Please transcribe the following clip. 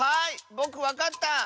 ぼくわかった！